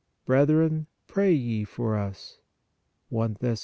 "Brethren, pray ye for us" (I Thess.